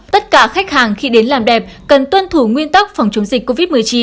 tất cả khách hàng khi đến làm đẹp cần tuân thủ nguyên tắc phòng chống dịch covid một mươi chín